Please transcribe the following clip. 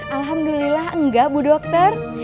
alhamdulillah enggak bu dokter